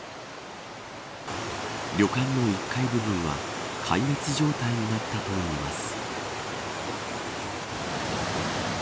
旅館の１階部分は壊滅状態になったといいます。